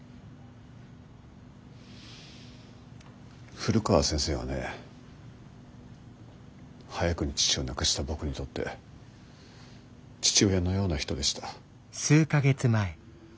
古川先生はね早くに父を亡くした僕にとって父親のような人でした。